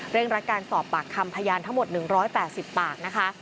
รักการสอบปากคำพยานทั้งหมด๑๘๐ปากนะคะ